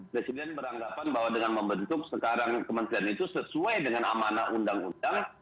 presiden beranggapan bahwa dengan membentuk sekarang kementerian itu sesuai dengan amanah undang undang